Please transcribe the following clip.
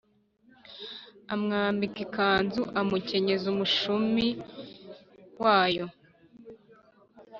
Amwambika ikanzu amukenyeza umushumir wayo